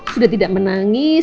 sudah tidak menangis